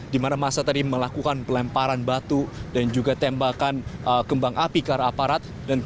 dimana massa tadi melakukan pelemparan batu dan juga tembakan kembang api ke arah aparat